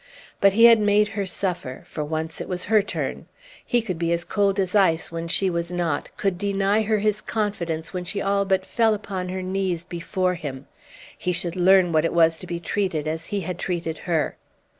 But he had made her suffer; for once it was her turn. He could be cold as ice when she was not, could deny her his confidence when she all but fell upon her knees before him; he should learn what it was to be treated as he had treated her.